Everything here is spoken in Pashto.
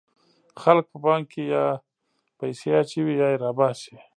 خلک په بانک کې یا پیسې اچوي یا یې را باسي.